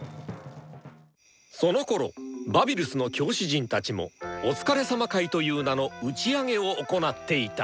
そのころバビルスの教師陣たちもお疲れさま会という名の打ち上げを行っていた。